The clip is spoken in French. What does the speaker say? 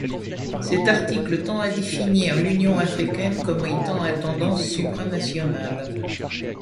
Cet article tend à définir l'Union africaine comme étant à tendance supranationale.